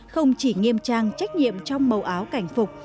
không chỉ nghiêm trang trách nhiệm trong màu áo cảnh phục